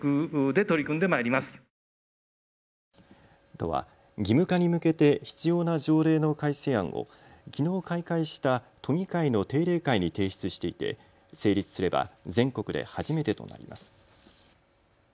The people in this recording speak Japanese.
都は義務化に向けて必要な条例の改正案をきのう開会した都議会の定例会に提出していて成立すれば全国で初めてとなります。